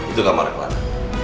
itu kamar clara